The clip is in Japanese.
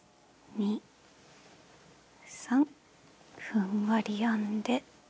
２３ふんわり編んで。